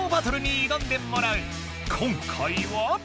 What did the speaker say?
今回は。